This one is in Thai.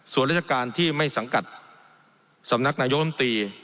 ส่วนราชการที่ไม่สังกัดสำนักนายกรรมตรี